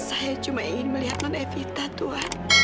saya cuma ingin melihat non evita tuhan